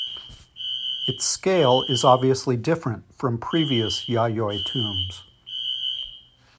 Its scale is obviously different from previous Yayoi tombs.